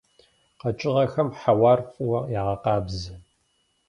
КъэкӀыгъэхэм хьэуар фӀыуэ ягъэкъабзэ.